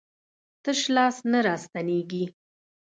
تش لاس نه راستنېږي.